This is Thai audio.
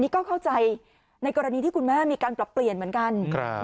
นี่ก็เข้าใจในกรณีที่คุณแม่มีการปรับเปลี่ยนเหมือนกัน